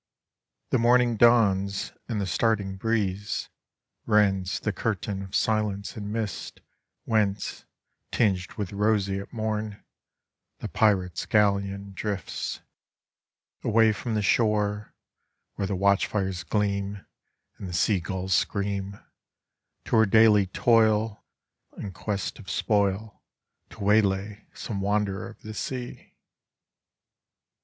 The morning dawns, and the starting breeze, Rends the curtain of silence and mist YTience, tinged with roseate morn, The pirate's ^11 eon drifte Away from the shore, T»here the watchflres gleam And the sea gulls scream, To her dally toil, In quest of spoil To way la;* some wanderer of the sea.